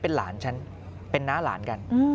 เป็นหลานฉันเป็นน้าหลานกัน